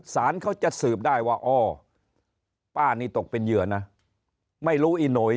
สารเขาจะสืบได้ว่าอ้อป้านี่ตกเป็นเหยื่อนะไม่รู้อีโหย